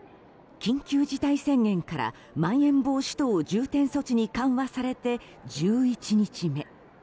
緊急事態宣言からまん延防止等重点措置に緩和されて１１日目。